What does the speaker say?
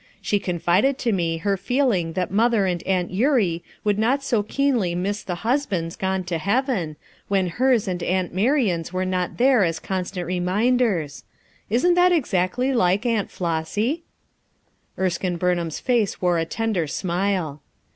She confided to me her feeling that Mother and FOUR MOTHERS AT CHAUTAUQUA 15 Aunt Eurie would not so keenly miss the ins bands gone to heaven, when hers and Aunt Mar ian 's were not there as constant reminders. Isn't that exactly like Aunt Flossy?" Erskine Burnham's face wore a tender smile.